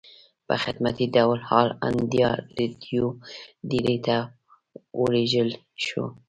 پۀ خدمتي ډول آل انډيا ريډيو ډيلي ته اوليږلی شو